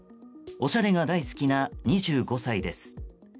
おしゃれが大好きな２５歳です。